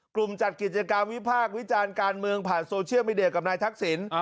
จัดกิจกรรมวิพากษ์วิจารณ์การเมืองผ่านโซเชียลมีเดียกับนายทักษิณ